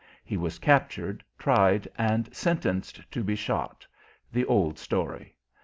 He was captured, tried and sentenced to be shot the old story.